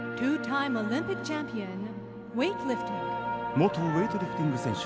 元ウエイトリフティング選手